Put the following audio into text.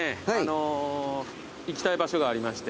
行きたい場所がありまして。